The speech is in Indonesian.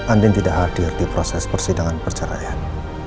andin tidak hadir di proses persidangan perceraian